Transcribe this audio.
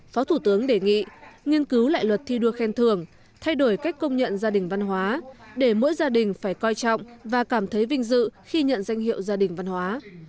phó thủ tướng đề nghị nghiên cứu lại luật thi đua khen thưởng thay đổi cách công nhận gia đình văn hóa để mỗi gia đình phải coi trọng và cảm thấy vinh dự khi nhận danh hiệu gia đình văn hóa